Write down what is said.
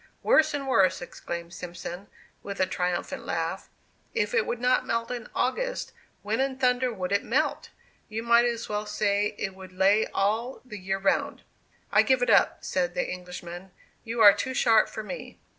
"Worse and worse," exclaimed Simpson, with a triumphant laugh; "if it would not melt in August, when in thunder would it melt! You might as well say it would lay all the year round." "I give it up," said the Englishman, "you are too sharp for me."